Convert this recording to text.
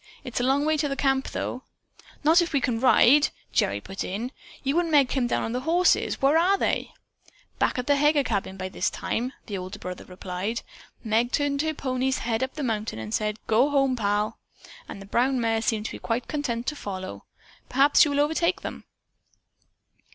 "It's a long way to the camp, though." "Not if we can ride," Gerry put in. "You and Meg came down on the horses. Where are they?" "Back at the Heger cabin by this time," the older brother replied. "Meg turned her pony's head up the mountain road and said, 'Go home, Pal,' and the brown mare seemed to be quite content to follow. Perhaps you will overtake them."